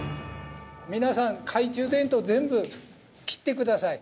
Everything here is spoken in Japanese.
皆さん懐中電灯全部切って下さい。